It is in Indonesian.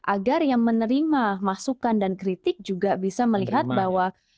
agar yang menerima masukan dan kritik juga bisa melihat bahwa